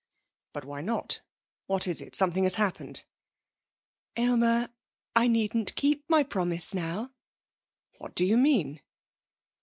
'But, why not? What is it? Something has happened!' 'Aylmer, I needn't keep my promise now.' 'What do you mean?'